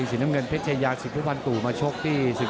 ที่ช่วยมึงให้แหลงนะครับ